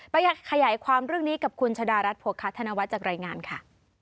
ขยายความเรื่องนี้กับคุณชะดารัฐโภคาธนวัฒน์จากรายงานค่ะ